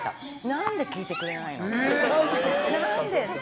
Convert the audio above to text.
何で聞いてくれないの！って。